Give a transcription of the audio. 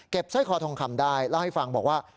เก็บไส้คอทองคำได้แล้วให้ฟังบอกว่า